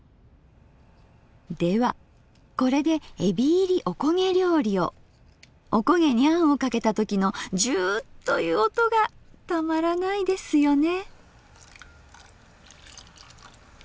ではこれでおこげにあんをかけた時のジュウという音がたまらないですよね。